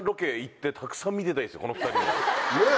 この２人の。ねぇ！